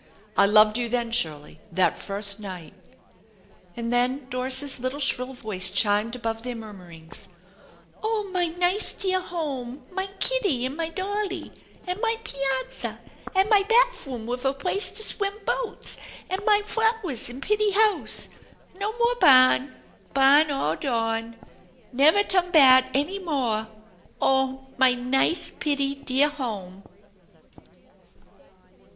"I loved you then, Shirley, that first And then Doris's little shrill voice chimed above their murmurings :" Oh, mine nice dear home ! Mine kitty an' mine dolly ! and mine piazza ! and mine bafwoom wif a place to swim boats! an' mine f'owers an' pitty house! No more barn! Barn all dawn! Never turn bat any mohl Oh, mine nice, pitty dear home